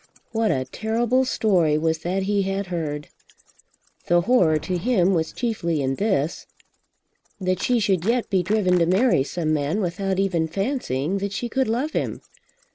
What a terrible story was that he had heard! The horror to him was chiefly in this, that she should yet be driven to marry some man without even fancying that she could love him!